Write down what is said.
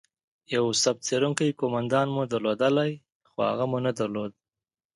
یو صف څیرونکی قومندان مو درلودلای، خو هغه مو نه درلود.